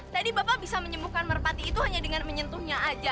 sampai jumpa di video selanjutnya